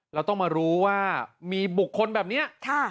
เราต้องมารู้ว่ามีบุคคลแบบนี้